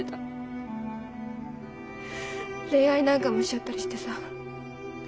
恋愛なんかもしちゃったりしてさ。